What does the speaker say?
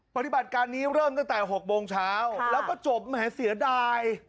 ปฏิบัติการนี้เริ่มตั้งแต่๖โมงเช้าแล้วก็จบแหมเสียดาย